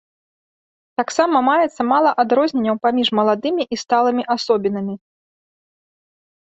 Таксама маецца мала адрозненняў паміж маладымі і сталымі асобінамі.